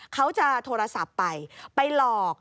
เขาจะโทรศัพท์ไปไปหลอก